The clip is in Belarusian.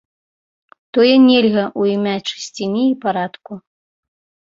Тое нельга у імя чысціні і парадку.